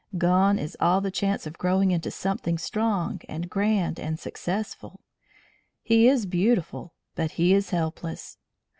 Gone is all chance of growing into something strong and grand and successful. He is beautiful, but he is helpless.